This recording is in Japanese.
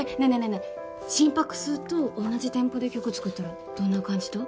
え心拍数と同じテンポで曲作ったらどんな感じと？